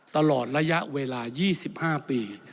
ตลอดระยะเวลา๒๕ปี